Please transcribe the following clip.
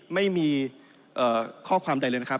ไม่มีข้อความใดเลยนะครับ